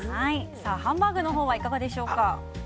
ハンバーグのほうがいかがでしょうか。